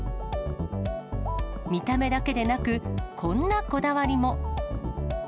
見た目だけでなく、こんなこだわりも。